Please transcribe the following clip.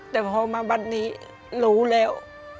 แต่พอมาบัดนี้รู้แล้ว